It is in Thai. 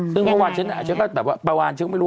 ซึ่งเมื่อวานฉันก็แบบว่าประมาณฉันก็ไม่รู้